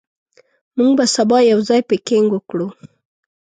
موږ به سبا یو ځای پکنیک وکړو.